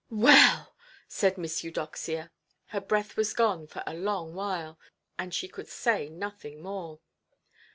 "Well"! said Miss Eudoxia. Her breath was gone for a long while, and she could say nothing more.